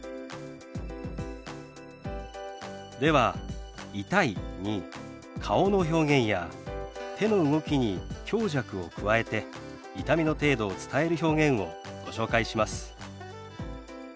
では「痛い」に顔の表現や手の動きに強弱を加えて痛みの程度を伝える表現をご紹介します。